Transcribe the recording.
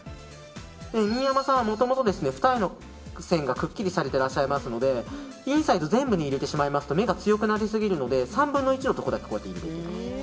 新山さんはもともと二重の線がくっきりされていらっしゃいますのでインサイド全部に入れてしまいますと目が強くなりすぎるので３分の１のところだけ。